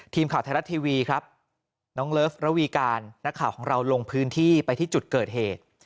ทีมข่าวไทยรัฐทีวีครับน้องเลิฟระวีการนักข่าวของเราลงพื้นที่ไปที่จุดเกิดเหตุ